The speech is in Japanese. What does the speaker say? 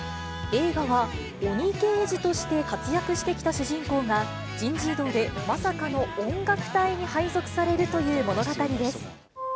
映画は、鬼刑事として活躍してきた主人公が、人事異動でまさかの音楽隊に配属されるという物語です。